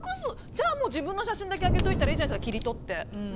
じゃあ自分の写真だけあげておいたらいいじゃないですか、切り取って。